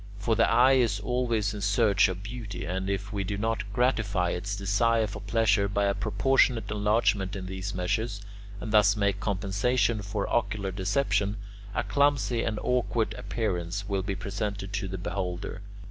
For the eye is always in search of beauty, and if we do not gratify its desire for pleasure by a proportionate enlargement in these measures, and thus make compensation for ocular deception, a clumsy and awkward appearance will be presented to the beholder.